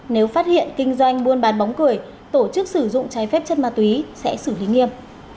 nếu phát hiện kinh doanh buôn bán bóng cười tổ chức sử dụng trái phép chất ma túy sẽ xử lý nghiêm